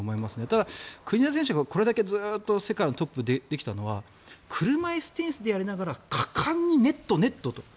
ただ国枝選手がこれだけずっと世界のトップでやってきたのは車いすテニスでやりながら果敢にネット、ネットと。